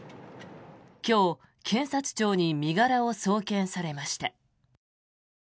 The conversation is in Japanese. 今日、検察庁に身柄を送検されました。